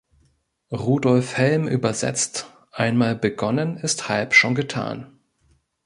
Rudolf Helm übersetzt: „Einmal begonnen ist halb schon getan.